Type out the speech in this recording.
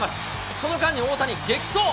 その間に大谷、激走。